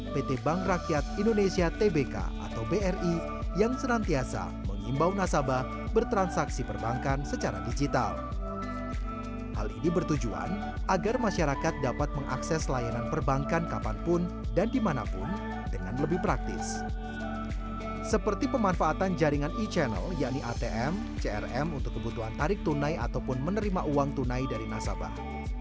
pertama bagaimana cara membuatnya lebih mudah